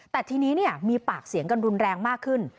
แต่ทีนี้มีปากเสียงกันรุนแรงมากขึ้น